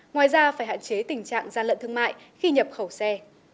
ngoài ra phải hạn chế tình trạng gian lận thương mại khi nhập khẩu xe